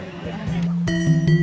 tidak tidak tidak